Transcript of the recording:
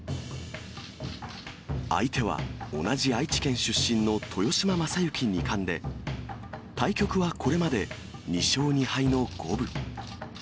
相手は、同じ愛知県出身の豊島将之二冠で、対局はこれまで２勝２敗の五分。